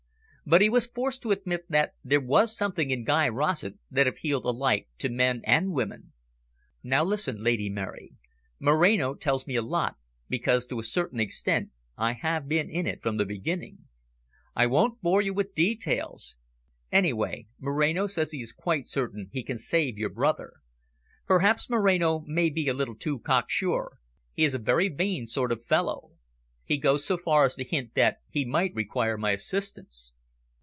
But he was forced to admit that there was something in Guy Rossett that appealed alike to men and women. "Now listen, Lady Mary! Moreno tells me a lot, because to a certain extent I have been in it from the beginning. I won't bore you with details. Anyway, Moreno says he is quite certain he can save your brother. Perhaps Moreno may be a little too cocksure, he is a very vain sort of fellow. He goes so far as to hint that he might require my assistance."